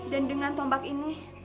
dan dengan tombak ini